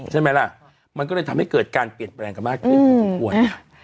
ใช่ไหมล่ะมันก็เลยทำให้เกิดการเปลี่ยนแปลงกับมากกว่านี้